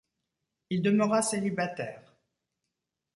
Il demeura célibataire.